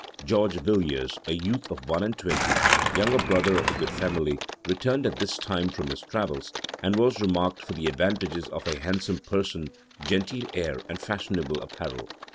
George Villiers, a youth of one and twenty, younger brother of a good family, returned at this time from his travels, and was remarked for the advantages of a handsome person, genteel air, and fashionable apparel.